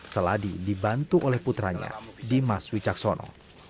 seladi dibantu oleh putranya dimas wicaksono